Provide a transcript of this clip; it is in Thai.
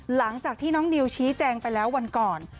หลังจากที่น้องนิวชี้แจงไปแล้ววันก่อน